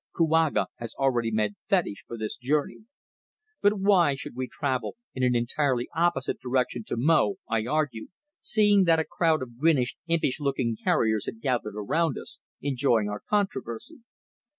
Kouaga has already made fetish for this journey." "But why should we travel in an entirely opposite direction to Mo?" I argued, seeing that a crowd of grinning impish looking carriers had gathered around us, enjoying our controversy.